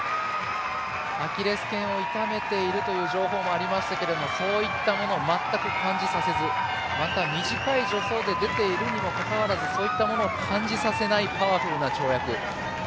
アキレスけんを痛めているという情報もありましたけどもそういったものを全く感じさせずまた、短い助走で出ているにもかかわらずそういったものを感じさせないパワフルな跳躍。